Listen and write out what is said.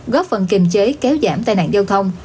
góp phần kiềm chế kéo giảm tai nạn giao thông